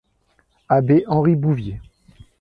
Abbé Henri Bouvier.